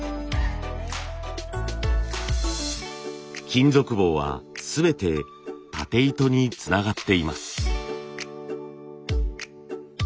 金属棒は全てたて糸につながっています。